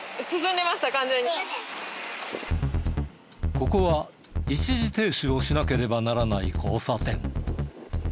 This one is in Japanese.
ここは一時停止をしなければならない交差点。